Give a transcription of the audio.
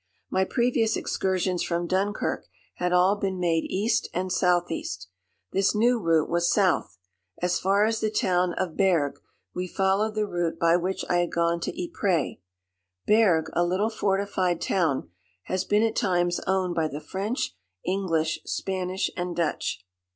My previous excursions from Dunkirk had all been made east and southeast. This new route was south. As far as the town of Bergues we followed the route by which I had gone to Ypres. Bergues, a little fortified town, has been at times owned by the French, English, Spanish and Dutch.